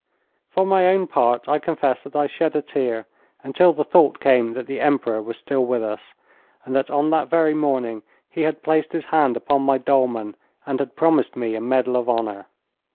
For my own part, I confess that I shed a tear until the thought came that the Emperor was still with us, and that on that very morning he had placed his hand upon my dolman and had promised me a medal of honour.